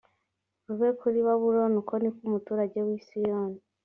rube kuri babuloni uko ni ko umuturage w i siyoni